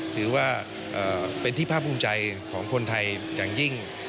ถือว่าเป็นที่ภาคภูมิใจของคนไทยอย่างยิ่ง